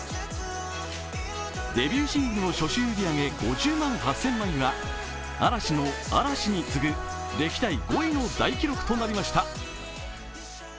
デビューシングルの初週売り上げ５０万８０００枚は嵐の「Ａ・ＲＡ・ＳＨＩ」に次ぐ歴代５位の大記録となりました。